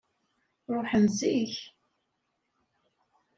Ruḥen zik.